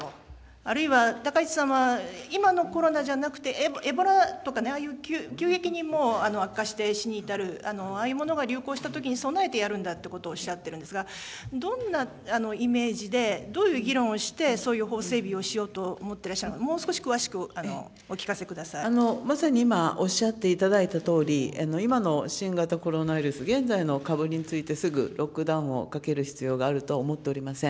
あるいは、高市さんは、今のコロナじゃなくてエボラとか、ああいう急激に悪化して死に至る、ああいうものが流行したときに備えてやるんだということをおっしゃっていますが、どんなイメージで、どういう議論をして、そういう法整備をしようとしてらっしゃるのか、もう少し詳しくお聞かせまさに今おっしゃっていただいたとおり、今の新型コロナウイルス、現在の株についてすぐロックダウンをかける必要があるとは思っておりません。